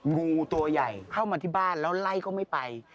งูตัวใหญ่เข้ามาที่บ้านแล้วไล่ก็ไม่ไป